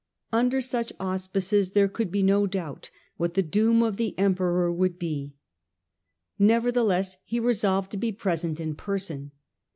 Under such auspices there could be no doubt what the doom of the emperor would be. Nevertheless he resolved to be present in person.